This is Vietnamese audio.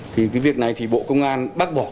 thì cái việc này thì bộ công an bác bỏ